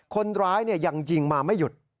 คนร้ายยังยิงมาไม่หยุด